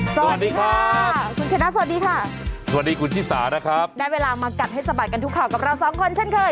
สวัสดีค่ะคุณชนะสวัสดีค่ะสวัสดีคุณชิสานะครับได้เวลามากัดให้สะบัดกันทุกข่าวกับเราสองคนเช่นเคย